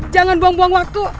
jangan buang buang waktu